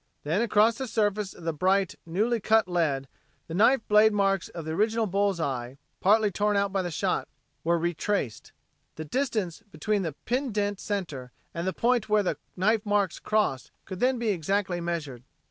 Then across the surface of the bright, newly cut lead, the knife blade marks of the original bull's eye, partly torn away by the shot, were retraced. The distance between the pin dent center and the point where the knife marks crossed could then be exactly measured.